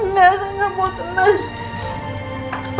biasa tidak mau tenang